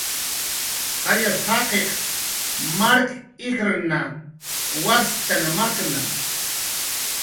Jayas jaqiq mark ijrna waschan makna